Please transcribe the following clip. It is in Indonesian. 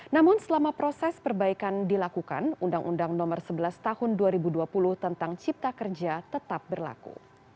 namun selama proses perbaikan dilakukan undang undang nomor sebelas tahun dua ribu dua puluh tentang cipta kerja tetap berlaku